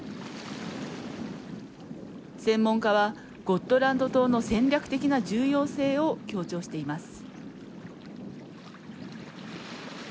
専門家はゴットランド島の戦略的な重要性を強調しています。